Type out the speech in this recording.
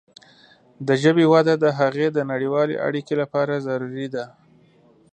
د ژبې وده د هغې د نړیوالې اړیکې لپاره ضروري ده.